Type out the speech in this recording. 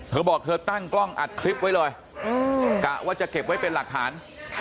เธอบอกเธอตั้งกล้องอัดคลิปไว้เลยกะว่าจะเก็บไว้เป็นหลักฐาน